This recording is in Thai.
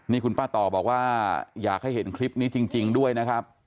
นี่คุณป้าต่อบอกว่าอยากให้เห็นคลิปนี้จริงด้วยนะครับ